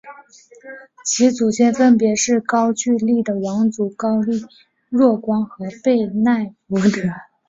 其祖先分别是高句丽的王族高丽若光和背奈福德。